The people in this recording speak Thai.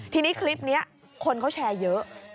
ทีนี้คลิปนี้คนเขาแชร์เยอะ